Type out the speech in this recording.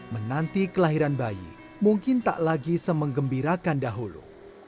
menanti kelahiran bayi mungkin tak lagi semengembirakan dahulu